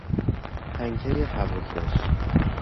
پنکه هواکش